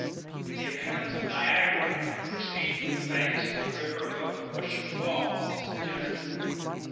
The appearance of Niagara when seen from the banks of the river above the Horseshoe falls is suggested.